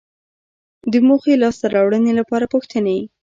د موخې لاسته راوړنې لپاره پوښتنې